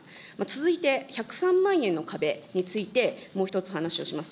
続いて、１０３万円の壁についてもう一つ話をします。